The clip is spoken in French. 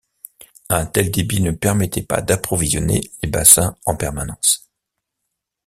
Un tel débit ne permettait pas d'approvisionner les bassins en permanence.